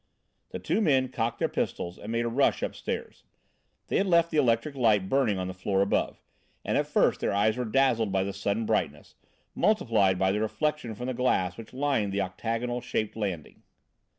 The two men cocked their pistols and made a rush upstairs. They had left the electric light burning on the floor above, and at first their eyes were dazzled by the sudden brightness, multiplied by the reflection from the glass which lined the octagonal shaped landing.